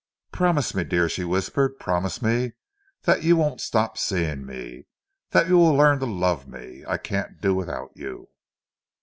"Promise me, dear," she whispered—"promise me that you won't stop seeing me—that you will learn to love me. I can't do without you!"